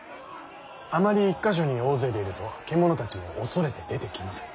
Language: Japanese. あまり１か所に大勢でいると獣たちも恐れて出てきません。